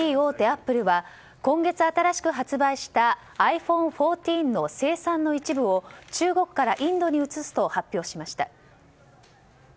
アップルは今月新しく発売したｉＰｈｏｎｅ１４の生産の一部を中国からインドに移すと発表しました。